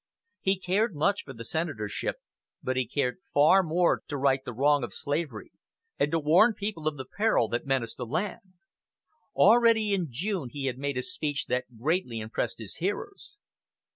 He cared much for the senatorship, but he cared far more to right the wrong of slavery, and to warn people of the peril that menaced the land. Already in June he had made a speech that greatly impressed his hearers.